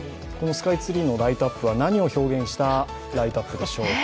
スカイツリーのライトアップは何を表現しているでしょうか。